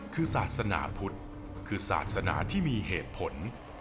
คือศาสนาพุทธคือศาสนาที่มีเหตุผล